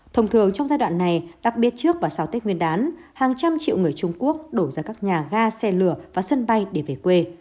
thông thường trong giai đoạn này đặc biệt trước và sau tết nguyên đán hàng trăm triệu người trung quốc đổ ra các nhà ga xe lửa và sân bay để về quê